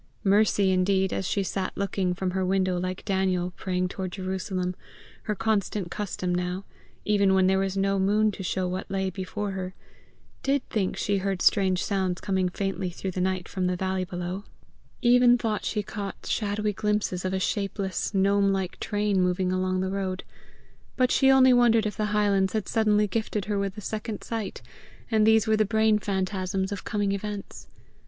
Mercy, indeed, as she sat looking from her window like Daniel praying toward Jerusalem, her constant custom now, even when there was no moon to show what lay before her, did think she heard strange sounds come faintly through the night from the valley below even thought she caught shadowy glimpses of a shapeless, gnome like train moving along the road; but she only wondered if the Highlands had suddenly gifted her with the second sight, and these were the brain phantasms of coming events.